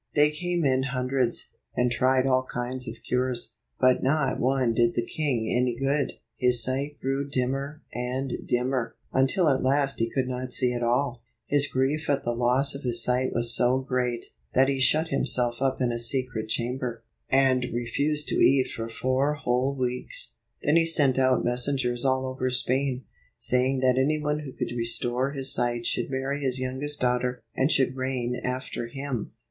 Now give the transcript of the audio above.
They came in hundreds, and tried all kinds of cures, but not one did the king any good. His sight grew dimmer and dimmer, until at last he could not see at all. His grief at the loss of his sight was so great, that he shut himself up in a secret chamber, and 156 refused to eat for four whole weeks. Then he sent out messengers all over Spain, saying that any one who could restore his sight should marry his youngest daughter, and should reign after him.